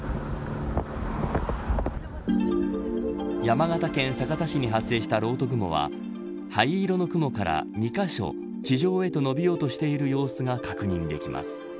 山形県酒田市に発生したろうと雲は灰色の雲から２カ所地上へと伸びようとしている様子が確認できます。